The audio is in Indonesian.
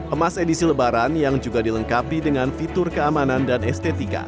emas edisi lebaran yang juga dilengkapi dengan fitur keamanan dan estetika